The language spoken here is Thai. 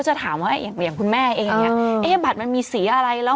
จะถามว่าอย่างคุณแม่เองเนี่ยเอ๊ะบัตรมันมีสีอะไรแล้ว